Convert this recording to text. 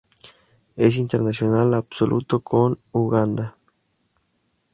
Es internacional absoluto con Uganda.